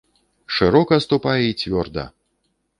Шырока ступай і цвёрда!